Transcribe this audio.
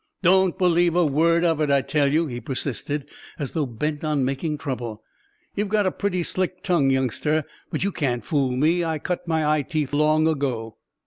"Don't believe a word of it, I tell you," he persisted, as though bent on making trouble. "You've got a pretty slick tongue, youngster; but you can't fool me. I cut my eye teeth long ago."